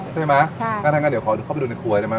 ใช่ใช่ไหมใช่ค่ะท่านกันเดี๋ยวขอเข้าไปดูในครัวได้ไหม